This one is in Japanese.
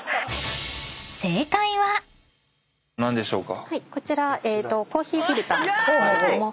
何でしょうか？